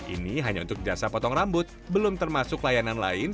ini hanya untuk jasa potong rambut belum termasuk layanan lain